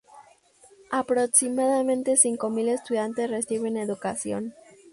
Aproximadamente cinco mil estudiantes reciben educación.